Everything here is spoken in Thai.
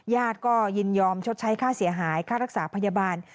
ญาติก็ยินยอมชดใช้ค่าเสียหายค่ารักษาพยาบาล